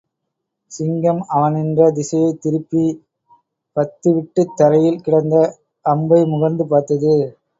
சிங்கம் அவன் நின்ற திசையைத் திரும்பிப் பத்துவிட்டுக் தரையில் கிடந்த அம்பை முகர்ந்து பார்த்தது.